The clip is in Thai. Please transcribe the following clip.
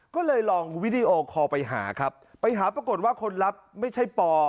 ก็เลยลองวิดีโอคอลไปหาครับไปหาปรากฏว่าคนรับไม่ใช่ปอ